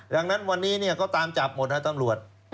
ดังนั้นวันนี้ก็ตามจับหมดฮะตำรวจ